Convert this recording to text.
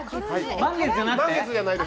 満月じゃないです。